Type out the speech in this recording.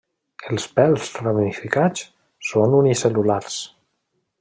Els pèls ramificats són unicel·lulars.